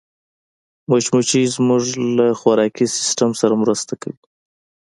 مچمچۍ زموږ له خوراکي سیسټم سره مرسته کوي